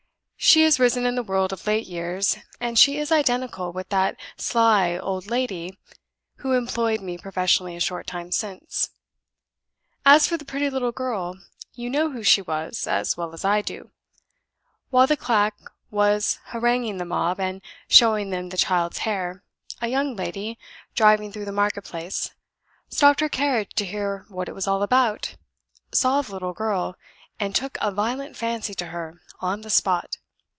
She has risen in the world of late years; and she is identical with that sly old lady who employed me professionally a short time since. As for the pretty little girl, you know who she was as well as I do. While the quack was haranguing the mob and showing them the child's hair, a young lady, driving through the marketplace, stopped her carriage to hear what it was all about, saw the little girl, and took a violent fancy to her on the spot.